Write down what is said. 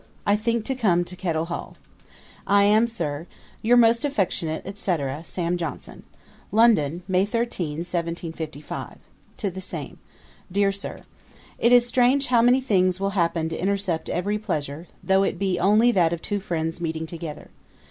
I think to come to Kettel Hall. 'I am, Sir, 'Your most affectionate, &c. 'SAM. JOHNSON.' '[London,] May 13, 1755.' To THE SAME. 'DEAR SIR, 'It is strange how many things will happen to intercept every pleasure, though it [be] only that of two friends meeting together.